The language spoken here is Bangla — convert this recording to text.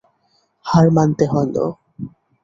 হার মানতে হল।